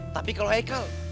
tapi kalau haikal